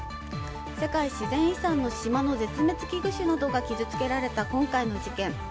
世界自然遺産の島の絶滅危惧種などが傷つけられた今回の事件。